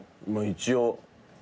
一応。